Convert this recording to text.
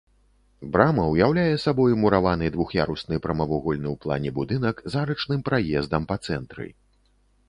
Брама ўяўляе сабой мураваны двух'ярусны прамавугольны ў плане будынак з арачным праездам па цэнтры.